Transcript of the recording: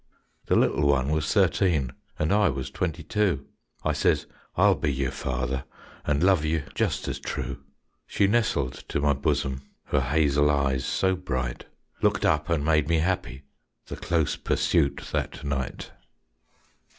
The little one was thirteen And I was twenty two; I says, "I'll be your father And love you just as true." She nestled to my bosom, Her hazel eyes so bright, Looked up and made me happy, The close pursuit that night.